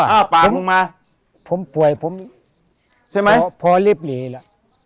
อะปากลงมาผมปวดผมใช่ไหมพอเรียบหลีละ